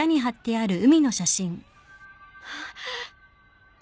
あっ。